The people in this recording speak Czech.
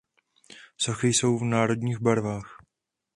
Sochy jsou v národních barvách.